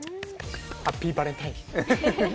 ハッピーバレンタイン。